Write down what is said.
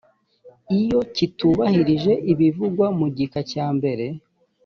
iyo kitubahirije ibivugwa mu gika cya mbere